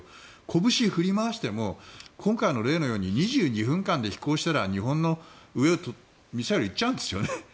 こぶしを振り回しても今回の例のように２２分間で飛行したら日本の上をミサイル行っちゃうんですよね。